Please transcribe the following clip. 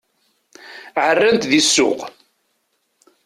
Ɛerran-t di ssuq.